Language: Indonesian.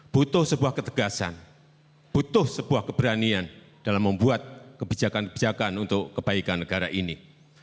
butuh sebuah ketegasan butuh sebuah keberanian dalam membuat kebijakan kebijakan untuk kebaikan negara ini